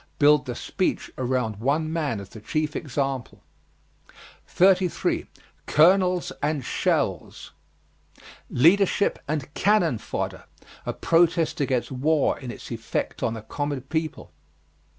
Build the speech around one man as the chief example. 33. COLONELS AND SHELLS. Leadership and "cannon fodder" a protest against war in its effect on the common people.